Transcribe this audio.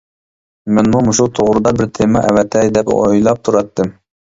مەنمۇ مۇشۇ توغرىدا بىر تېما ئەۋەتەي دەپ ئويلاپ تۇراتتىم.